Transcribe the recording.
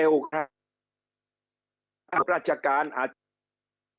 ราชการอาจจะ